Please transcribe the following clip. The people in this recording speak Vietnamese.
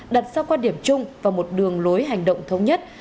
đặt ra quan điểm chung và một đường lối hành động thống nhất